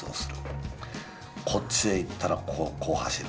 こっちへ行ったらこう走る。